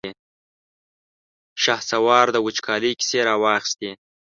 شهسوار د وچکالۍ کيسې را واخيستې.